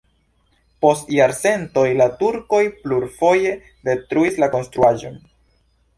Post jarcentoj la turkoj plurfoje detruis la konstruaĵon.